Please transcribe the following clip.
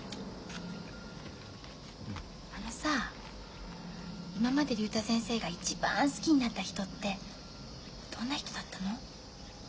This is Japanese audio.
あのさ今まで竜太先生が一番好きになった人ってどんな人だったの？